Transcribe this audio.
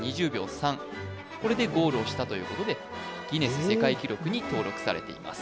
３これでゴールをしたということでギネス世界記録に登録されています